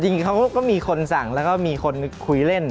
จริงเขาก็มีคนสั่งแล้วก็มีคนคุยเล่น